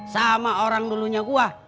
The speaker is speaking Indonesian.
sama orang dulunya gua